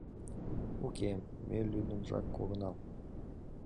Уке, ме лӱдынжак огынал.